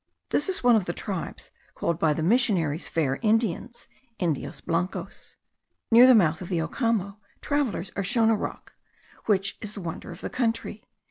This is one of the tribes called by the missionaries fair Indians (Indios blancos). Near the mouth of the Ocamo, travellers are shown a rock, which is the wonder of the country.